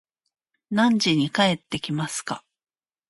何時に帰ってきますか